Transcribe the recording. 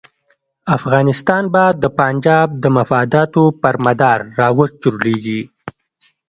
افغانستان به د پنجاب د مفاداتو پر مدار را وچورلېږي.